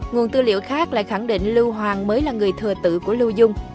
nguồn tư liệu khác lại khẳng định lưu hoàng mới là người thừa tự của lưu dung